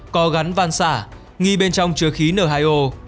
có gắn van xả nghi bên trong chứa khí n hai o